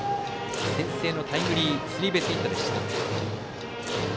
先制のタイムリースリーベースヒットでした。